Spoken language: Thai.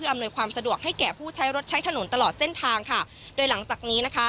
อำนวยความสะดวกให้แก่ผู้ใช้รถใช้ถนนตลอดเส้นทางค่ะโดยหลังจากนี้นะคะ